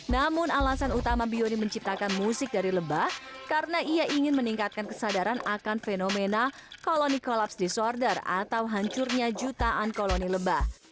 namun alasan utama bioni menciptakan musik dari lebah karena ia ingin meningkatkan kesadaran akan fenomena koloni collaps disorder atau hancurnya jutaan koloni lebah